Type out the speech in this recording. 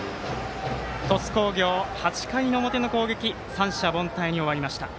鳥栖工業、８回の表の攻撃三者凡退に終わりました。